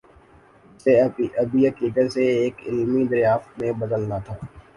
جسے ابھی عقیدے سے ایک علمی دریافت میں بدلنا تھا۔